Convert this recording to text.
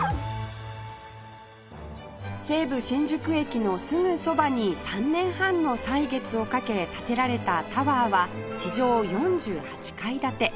西武新宿駅のすぐそばに３年半の歳月をかけ建てられたタワーは地上４８階建て